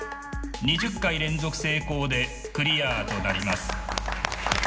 ２０回連続成功でクリアとなります。